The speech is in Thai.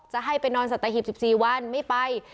จะให้ไปนอนสัตหีบ๑๔วันไม่ไป